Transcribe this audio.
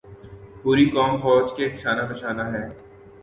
پوری قوم فوج کے شانہ بشانہ ہے۔